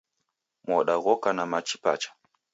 Moda ghoka na machi pacha.